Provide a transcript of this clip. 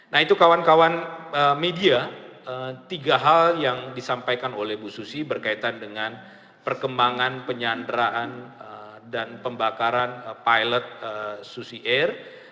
nah itu kawan kawan media tiga hal yang disampaikan oleh bu susi berkaitan dengan perkembangan penyanderaan dan pembakaran pilot susi air